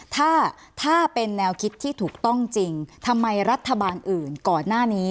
ถ้าถ้าเป็นแนวคิดที่ถูกต้องจริงทำไมรัฐบาลอื่นก่อนหน้านี้